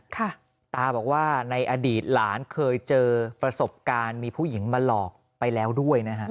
ตาบอกว่าในอดีตหลานเคยเจอประสบการณ์มีผู้หญิงมาหลอกไปแล้วด้วยนะฮะ